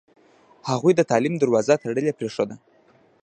هغوی د تعلیم دروازه تړلې پرېښوده.